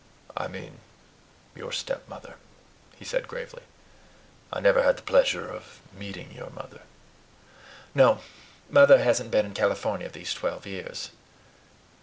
"I mean your stepmother," he said gravely. "I never had the pleasure of meeting your mother." "No; MOTHER hasn't been in California these twelve years."